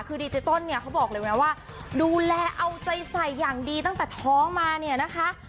คือดีเจต้นเนี่ยเขาบอกเลยนะว่าดูแลเอาใจใส่อย่างดีตั้งแต่ท้องมาเนี่ยนะคะ